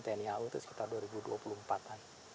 tni au itu sekitar dua ribu dua puluh empat an